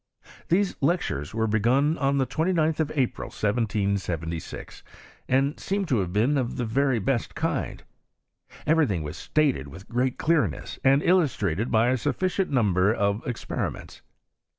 These lectures were begun on the 29th of April, 1776, and seem to have been of the very best kind. Every thinj was staled with great clearness, and illustrated by a sufficient number of experiments.